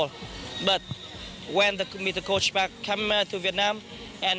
แล้วให้ทีมหลุดเกมส์สุดท้าย